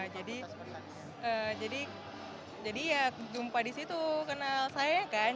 jadi jadi ya jumpa di situ kenal saya kan